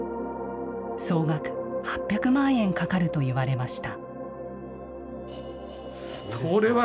総額８００万円かかると言われました。